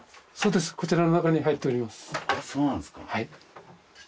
そうですこちらの中に入っております。